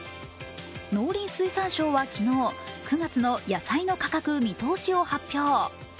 農林水産省は昨日、９月の野菜の価格見通しを発表。